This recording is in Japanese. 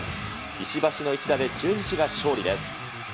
石橋の一打で中日が勝利です。